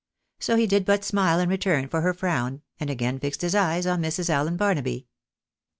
So he did but smile in return for her frown, and again fixed his eyes on Mrs. Allen Barnaby.